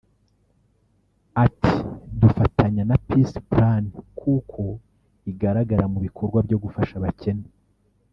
Ati “Dufatanya na Peace Plan kuko igaragara mu bikorwa byo gufasha abakene